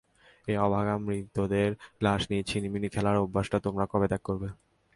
এই অভাগা মৃতদের লাশ নিয়ে ছিনিমিনি খেলার অভ্যাসটা তোমরা কবে ত্যাগ করবে?